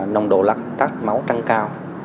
nồng độ lắc tắc máu trăng cao